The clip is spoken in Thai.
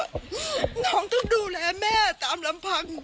น้องต้องดูแลแม่ตามลำพัง